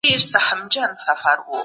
خیرات ورکول د بخل او کینې مخه نیسي.